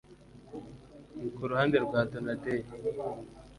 Ku ruhande rwa Donadei